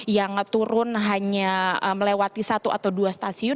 yang turun hanya melewati satu atau dua stasiun